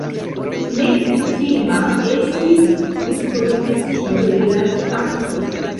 Nekutima estis dispozicio de la teatro.